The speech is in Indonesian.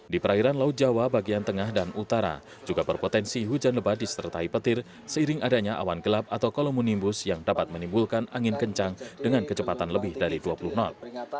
di perairan laut jawa bagian tengah dan utara juga berpotensi hujan lebat disertai petir seiring adanya awan gelap atau kolomunimbus yang dapat menimbulkan angin kencang dengan kecepatan lebih dari dua puluh knot